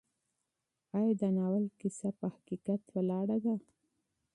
ایا د ناول کیسه په حقیقت ولاړه ده؟